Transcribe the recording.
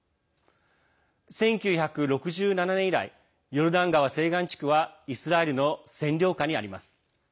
１９６７年以来ヨルダン川西岸地区はイスラエルの占領下にあります。